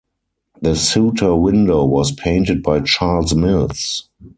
The suter window was painted by Charles Mills.